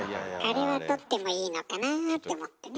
あれは取ってもいいのかなって思ってね。